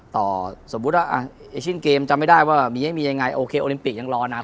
สมมุติว่าเอเชียนเกมจำไม่ได้ว่ามีไม่มียังไงโอเคโอลิมปิกยังรอนาน